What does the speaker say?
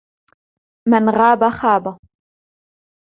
من غاب خاب.